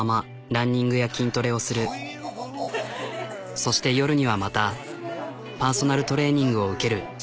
そして夜にはまたパーソナルトレーニングを受ける。